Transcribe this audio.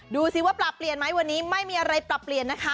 ดูสิว่าปรับเปลี่ยนไหมวันนี้ไม่มีอะไรปรับเปลี่ยนนะคะ